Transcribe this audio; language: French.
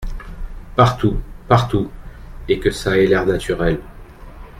Partout… partout… et que ça ait l’air naturel.